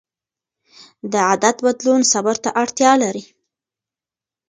د عادت بدلون صبر ته اړتیا لري.